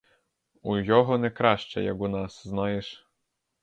У його не краще, як у нас, — знаєш.